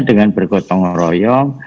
dengan bergotong royong